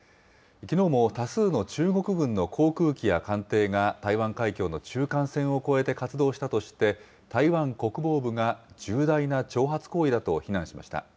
きのうも多数の中国軍の航空機や艦艇が台湾海峡の中間線を越えて活動したとして、台湾国防部が重大な挑発行為だと非難しました。